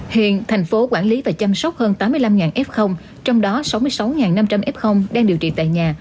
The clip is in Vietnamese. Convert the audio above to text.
hiện thành phố quản lý và chăm sóc hơn tám mươi năm f trong đó sáu mươi sáu năm trăm linh f đang điều trị tại nhà